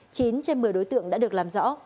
chín trên một mươi đối tượng đã được làm rõ